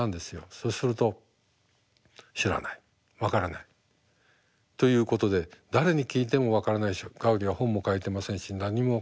そうすると「知らない分からない」ということで誰に聞いても分からないしガウディは本も書いてませんし何も分からない。